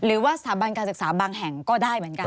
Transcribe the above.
หรือว่าสถาบันการศึกษาบางแห่งก็ได้เหมือนกัน